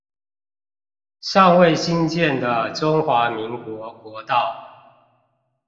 尚未興建的中華民國國道